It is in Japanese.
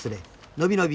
伸び伸び